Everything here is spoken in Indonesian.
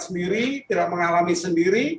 sendiri tidak mengalami sendiri